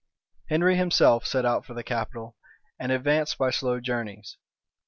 Henry himself set out for the capital, and advanced by slow journeys.